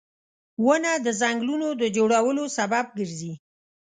• ونه د ځنګلونو د جوړولو سبب ګرځي